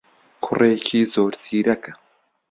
کوڕێکی زۆر زیرەکە.